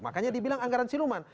makanya dibilang anggaran siluman